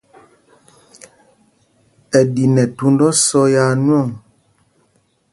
Ɛ di nɛ thūnd ósɔ́ yaa nwɔŋ.